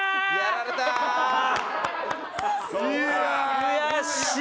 悔しい！